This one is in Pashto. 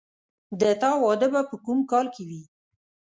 د تا واده به په کوم کال کې وي